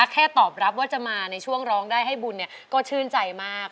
แค่ตอบรับว่าจะมาในช่วงร้องได้ให้บุญก็ชื่นใจมาก